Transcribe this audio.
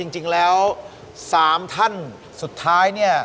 จริงแล้ว๓ท่านสุดท้ายเนี่ย